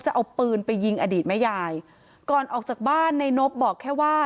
จะเอาปืนไปยิงอดีตแม่ยายก่อนออกจากบ้านในนบบอกแค่ว่า